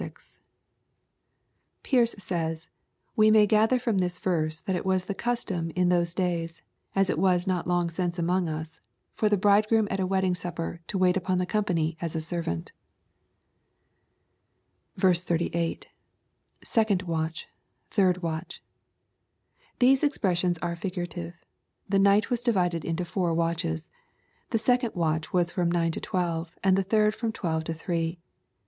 89 Pearce says, ' We may gather from this verse that it was the tastom in those lays, as it was not long since among us, for the bridegroom at a wedding supper to wait upon the company as a servant." 38, — [Second waich...{hird watch J] These expressions are figura tive. The night was divided into four watches. The second watch was from nine tt twelve, and the third from twelve to three.